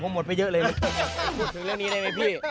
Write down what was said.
พูดถึงเรื่องนี้ได้ไหมพี่